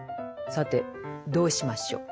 さてどうしましょう。